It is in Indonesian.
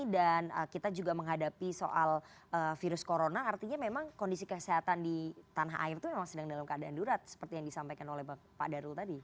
dan kita juga menghadapi soal virus corona artinya memang kondisi kesehatan di tanah air itu memang sedang dalam keadaan darurat seperti yang disampaikan oleh pak darul tadi